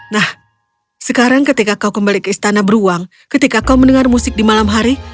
nah sekarang ketika kau kembali ke istana beruang ketika kau mendengar musik di malam hari